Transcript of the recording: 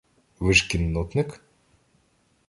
Ви ж кіннотник?